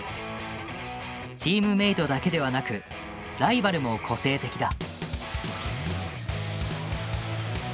チームメートだけではなくライバルも個性的だ。